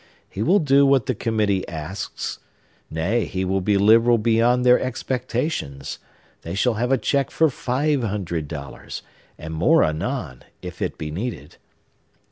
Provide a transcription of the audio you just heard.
He will do what the committee asks; nay, he will be liberal beyond their expectations; they shall have a check for five hundred dollars, and more anon, if it be needed.